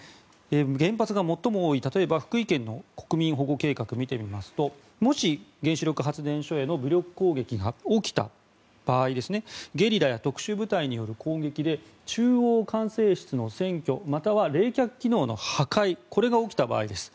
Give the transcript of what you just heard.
原発が最も多い例えば福井県の国民保護計画を見てみますともし、原子力発電所への武力攻撃が起きた場合ゲリラや特殊部隊による攻撃で中央管制室の占拠または冷却機能の破壊が起きた場合です。